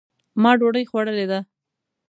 ما ډوډۍ خوړلې ده